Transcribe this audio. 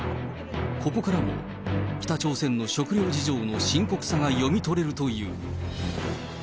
ここからも、北朝鮮の食糧事情の深刻さが読み取れるという。